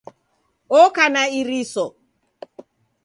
Oka na iriso